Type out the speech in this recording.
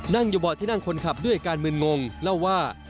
นั่งอยู่เบาะที่นั่งคนขับด้วยการมืนงงเล่าว่า